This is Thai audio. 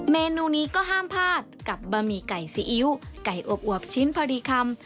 เมนูนี้ก็ห้ามพลาดกับบะหมี่ไก่ซีอิ๊วไก่อวบชิ้นพอดีคำ